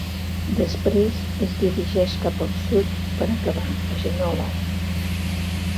Després es dirigeix cap al sud per acabar a Jenolan.